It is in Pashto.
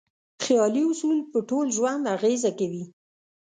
خیالي اصول په ټول ژوند اغېزه کوي.